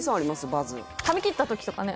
バズ髪切った時とかね